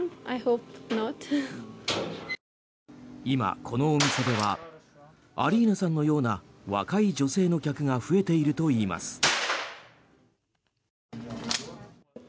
今、このお店ではアリーナさんのような若い女性の客が増えているといいます。